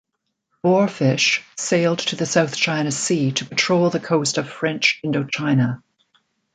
"Boarfish" sailed to the South China Sea to patrol the coast of French Indochina.